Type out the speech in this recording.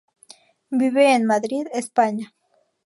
Vive en Madrid, España.